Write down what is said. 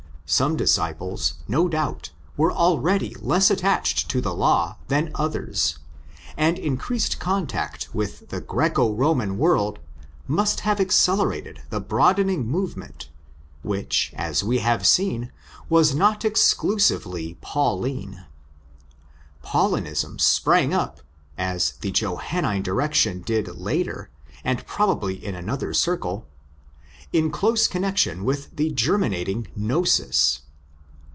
Some disciples, no 160 THE EPISTLE TO THE ROMANS doubt, were already less attached to the law than others ; and increased contact with the Greco Roman world must have accelerated the broadening move ment, which, as we have seen, was not exclusively '' Pauline." '* Paulinism'' sprang up—as_ the Johannine direction did later and probably in another circle—in close connexion with the germinating gnosis.